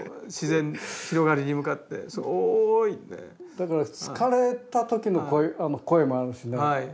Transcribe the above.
だから疲れた時の声もあるしね